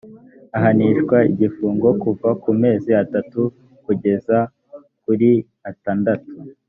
ahanishwa igifungo kuva ku mezi atatu kugeza kuri atandatu